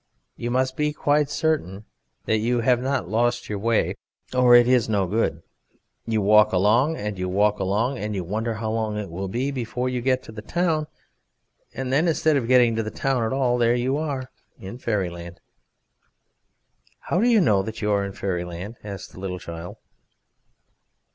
You must be quite certain that you have not lost your way or it is no good. You walk along, and you walk along, and you wonder how long it will be before you get to the town, and then instead of getting to the town at all, there you are in Fairyland." "How do you know that you are in Fairyland?" said the little child.